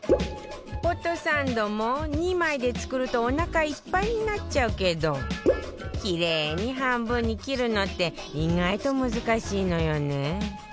ホットサンドも２枚で作るとおなかいっぱいになっちゃうけどキレイに半分に切るのって意外と難しいのよね